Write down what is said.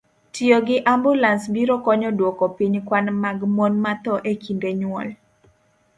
Tiyo gi ambulans biro konyo dwoko piny kwan mag mon mathoo e kinde nyuol.